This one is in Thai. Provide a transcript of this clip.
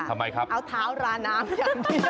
เอาเท้าราน้ำอย่างนี้